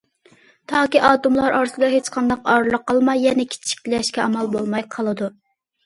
تاكى ئاتوملار ئارىسىدا ھېچقانداق ئارىلىق قالماي، يەنە كىچىكلەشكە ئامال بولماي قالىدۇ.